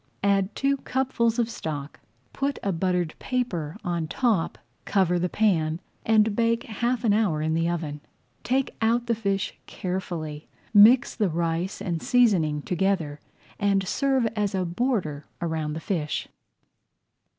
Add two cupfuls of stock, put a buttered paper on top, cover the pan, and bake half an hour in the oven. Take out the fish carefully, mix the rice and [Page 105] seasoning together, and serve as a border around the fish.